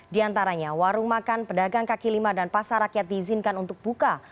di antaranya warung makan pedagang kaki lima dan pasar rakyat diizinkan untuk buka